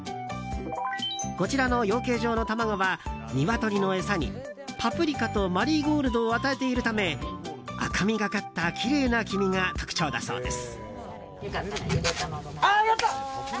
こちらの養鶏場の卵はニワトリの餌にパプリカとマリーゴールドを与えているため赤みがかったきれいな黄身が特徴だそうです。